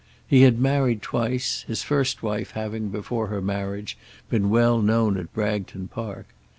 He had married twice, his first wife having, before her marriage, been well known at Bragton Park.